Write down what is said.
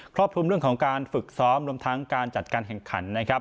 รอบคลุมเรื่องของการฝึกซ้อมรวมทั้งการจัดการแข่งขันนะครับ